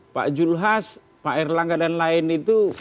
pak julhas pak erlangga dan lain itu